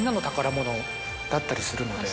だったりするので。